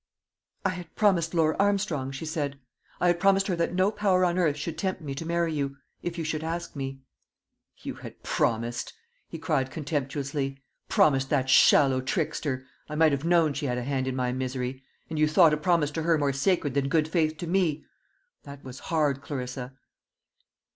"I had promised Laura Armstrong," she said "I had promised her that no power on earth should tempt me to marry you if you should ask me." "You had promised!" he cried contemptuously. "Promised that shallow trickster! I might have known she had a hand in my misery. And you thought a promise to her more sacred than good faith to me? That was hard, Clarissa."